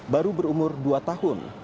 baru berumur dua tahun